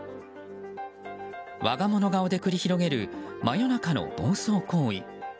我が物顔で繰り広げる真夜中の暴走行為。